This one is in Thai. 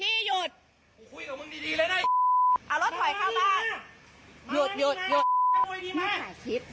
นี่ถ่ายคลิป